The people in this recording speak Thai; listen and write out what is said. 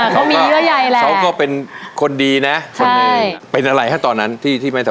เขามีเมื่อไหร่แหละเขาก็เป็นคนดีนะใช่เป็นอะไรฮะตอนนั้นที่ที่ไม่สบาย